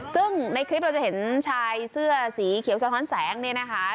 ซึ่งในคลิปเราจะเห็นชายเสื้อสีเขียวสะท้อนแสงเนี่ยนะคะ